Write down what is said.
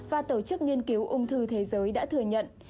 và tổ chức nghiên cứu ung thư thế giới đã thừa nhận